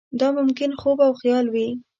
دا ممکن خوب او خیال وي.